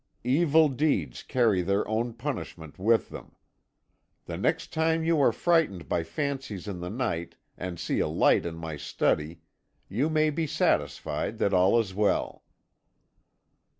Evil deeds carry their own punishment with them! The next time you are frightened by fancies in the night, and see a light in my study, you may be satisfied that all is well.'